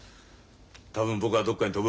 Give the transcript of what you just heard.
多分僕はどこかに飛ぶ。